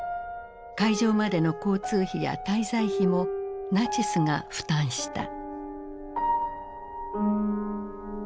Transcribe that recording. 会場までの交通費や滞在費もナチスが負担した。